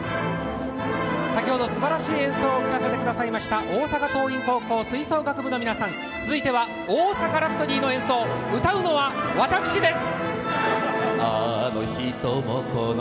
先ほどすばらしい演奏を聴かせてくださいました大阪桐蔭高校吹奏楽部の皆さん、続いては「大阪ラプソディー」の演奏歌うのは私です。